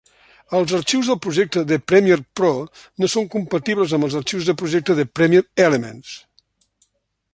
Els arxius de projecte de Premiere Pro no són compatibles amb els arxius de projecte de Premiere Elements.